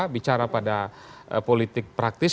bicara pada politik praktis